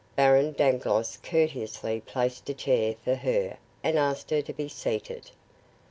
Baron Dangloss courteously placed a chair for her and asked her to be seated.